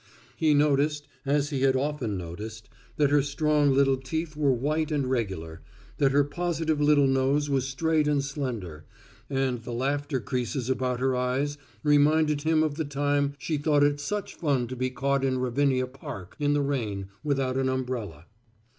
He noticed, as he had often noticed, that her strong little teeth were white and regular, that her positive little nose was straight and slender, and the laughter creases about her eyes reminded him of the time she thought it such fun to be caught in Ravinia Park in the rain without an umbrella.